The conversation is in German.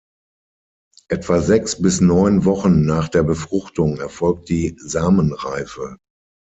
Etwa sechs bis neun Wochen nach der Befruchtung erfolgt die Samenreife.